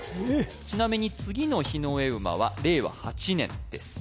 ちなみに次の丙午は令和８年です